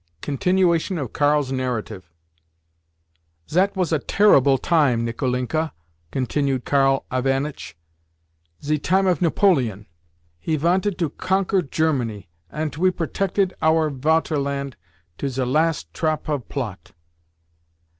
CONTINUATION OF KARL'S NARRATIVE "Zat was a terrible time, Nicolinka," continued Karl Ivanitch, "ze time of Napoleon. He vanted to conquer Germany, ant we protected our Vaterland to ze last trop of plot.